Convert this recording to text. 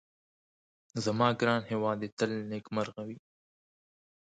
زما ګران هيواد دي تل نيکمرغه وي